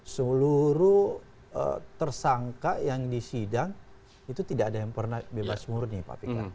seluruh tersangka yang disidang itu tidak ada yang pernah bebas murni pak fikar